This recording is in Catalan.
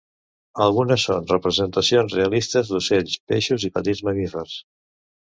Algunes són representacions realistes d'ocells, peixos, i petits mamífers.